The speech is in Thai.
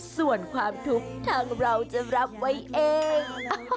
ส่วนความทุกข์ทางเราจะรับไว้เอง